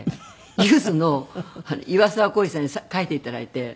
ゆずの岩沢厚治さんに書いて頂いて。